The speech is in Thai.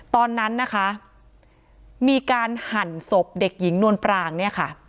ตอนนั้นนะคะมีการหั่นศพเด็กหญิงนวลปรางเนี่ยค่ะ